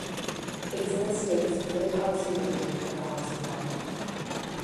It is in the state's Mid-Hudson Region of the Hudson Valley.